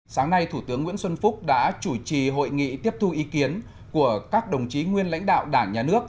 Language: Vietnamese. sáng nay thủ tướng nguyễn xuân phúc đã chủ trì hội nghị tiếp thu ý kiến của các đồng chí nguyên lãnh đạo đảng nhà nước